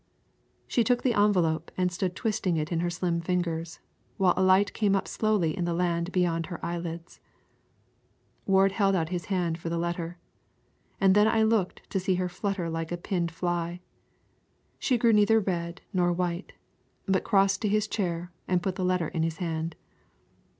She took the envelope and stood twisting it in her slim fingers, while a light came up slowly in the land beyond her eyelids. Ward held out his hand for the letter. And then I looked to see her flutter like a pinned fly. She grew neither red nor white, but crossed to his chair and put the letter in his hand.